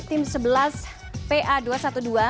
tim sebelas pa dua ratus dua belas